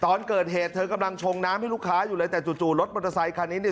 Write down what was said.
ตอนเกิดเหตุเธอกำลังชงน้ำให้ลูกค้าอยู่เลยแต่จู่รถมอเตอร์ไซคันนี้เนี่ย